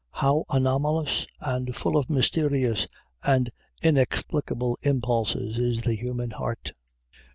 How anomalous, and full of mysterious and inexplicable impulses is the human heart!